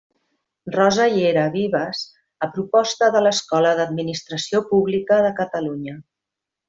Rosa llera Vives, a proposta de l'Escola d'Administració Pública de Catalunya.